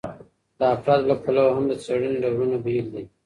د افرادو له پلوه هم د څېړني ډولونه بېل دي.